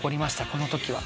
この時は。